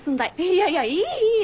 いやいやいいいい。